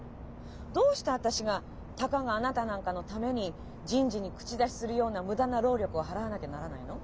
どうして私がたかがあなたなんかのために人事に口出しするような無駄な労力を払わなきゃならないの？